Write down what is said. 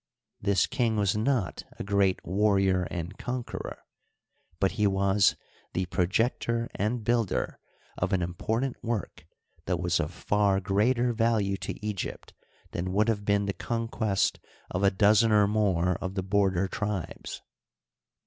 This king was not a great warrior and conqueror, but he was the projector and builder of an important work that was of far greater value to Egypt than would have been the conquest of a dozen or more of the border tribes.